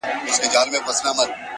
ما يادوه چي له چينې سره خبرې کوې”